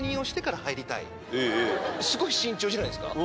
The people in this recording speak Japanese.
すごい慎重じゃないですか？